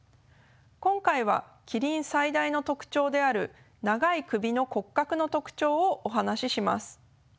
今回はキリン最大の特徴である長い首の骨格の特徴をお話しします。